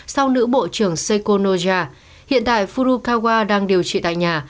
sau nữ bộ trưởng seiko noja hiện tại furukawa đang điều trị tại nhà